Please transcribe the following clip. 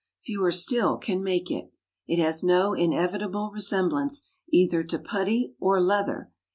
Fewer still can make it. It has no inevitable resemblance either to putty or leather.